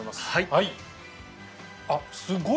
はい。